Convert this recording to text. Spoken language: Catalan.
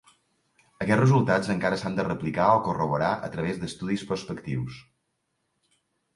Aquests resultats encara s'han de replicar o corroborar a través d'estudis prospectius.